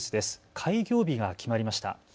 開業日が決まりました。